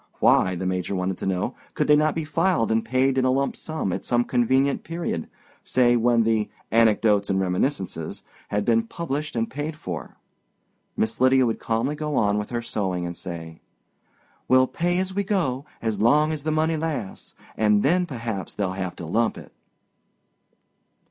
Why, the Major wanted to know, could they not be filed and paid in a lump sum at some convenient period—say when the Anecdotes and Reminiscences had been published and paid for? Miss Lydia would calmly go on with her sewing and say, "We'll pay as we go as long as the money lasts, and then perhaps they'll have to lump it."